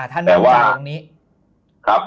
แต่ว่า